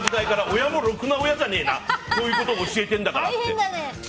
親もろくな親じゃねえなこういうこと教えてるんだからって。